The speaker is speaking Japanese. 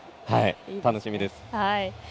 楽しみです。